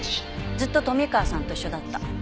ずっと冨川さんと一緒だった。